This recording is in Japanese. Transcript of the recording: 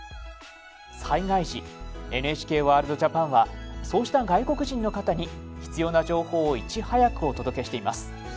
災害時ＮＨＫワールドＪＡＰＡＮはそうした外国人の方に必要な情報をいち早くお届けしています。